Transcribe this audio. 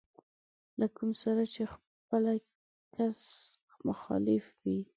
له کوم سره چې خپله کس مخالف وي.